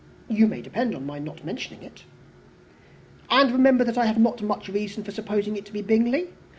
"You may depend upon my not mentioning it." "And remember that I have not much reason for supposing it to be Bingley.